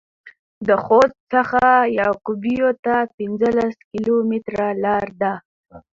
د خوست څخه يعقوبيو ته پنځلس کيلومتره لار ده.